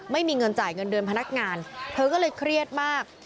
ไม่มีเงินจ่ายเงินเดือนพนักงานเธอก็เลยเครียดมาก